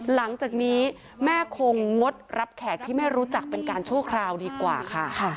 หลังจากนี้แม่คงงดรับแขกที่แม่รู้จักเป็นการชั่วคราวดีกว่าค่ะ